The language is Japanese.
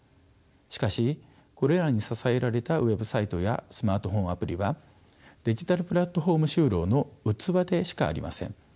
しかしこれらに支えられたウェブサイトやスマートフォンアプリはデジタルプラットフォーム就労の器でしかありません。